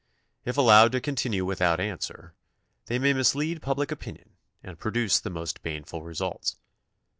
If allowed to continue without answer, they may mislead public opinion and produce the most baneful results.